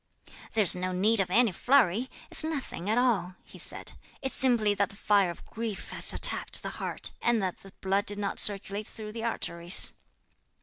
"There's no need of any flurry; it's nothing at all," he said, "it's simply that the fire of grief has attacked the heart, and that the blood did not circulate through the arteries."